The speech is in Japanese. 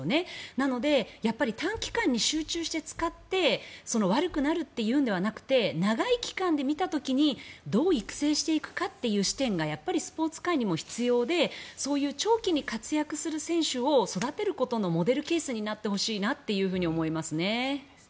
なので、短期間に集中して使って悪くなるというのではなくて長い期間で見た時にどう育成していくかという視点がやっぱりスポーツ界にも必要でそういう長期に活躍する選手を育てることのモデルケースになってほしいなと思いますね。